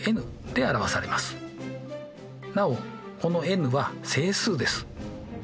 なおこのｎは整数です。